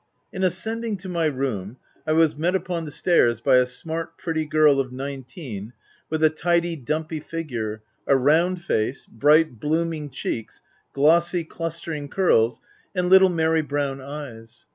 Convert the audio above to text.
In ascending to my room, I was met upon the stairs by a smart, pretty girl of nineteen, with a tidy, dumpy figure, a round face, bright, 8 THE TENANT blooming cheeks, glossy, clustering curls, and little merry brown eyes.